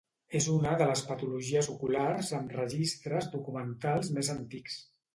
És una de les patologies oculars amb registres documentals més antics.